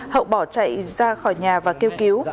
hậu bỏ chạy ra khỏi nhà và kêu cứu